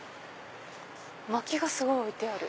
薪がすごい置いてある。